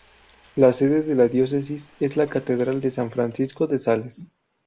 La sede de la Diócesis es la Catedral de San Francisco de Sales.